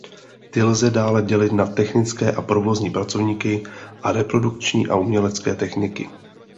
Ty lze dále dělit na technické a provozní pracovníky a reprodukční a umělecké techniky.